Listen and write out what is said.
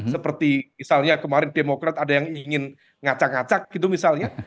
seperti misalnya kemarin demokrat ada yang ingin ngacak ngacak gitu misalnya